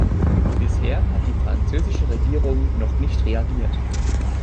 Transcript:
Bisher hat die französische Regierung noch nicht reagiert.